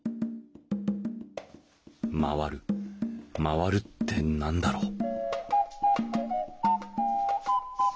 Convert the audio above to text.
「まわる」「まわる」って何だろう？